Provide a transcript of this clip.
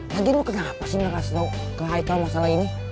lagi lo kenal apa ngasih tau ke aika masalah ini